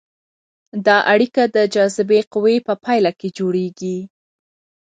دا اړیکه د جاذبې قوې په پایله کې جوړیږي.